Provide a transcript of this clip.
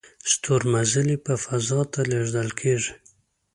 ستورمزلي په فضا ته لیږل کیږي